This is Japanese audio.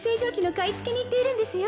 買い付けに行っているんですよ